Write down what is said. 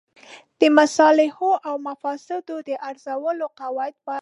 د مصالحو او مفاسدو د ارزولو قواعد په پام کې ونیسو.